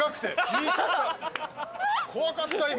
怖かった今。